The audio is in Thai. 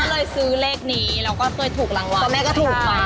ก็เลยซื้อเลขนี้แล้วก็ค่อยถูกรก็แม่ก็ถูกมา๖๐๐๔